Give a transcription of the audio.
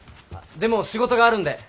でも仕事があるんで。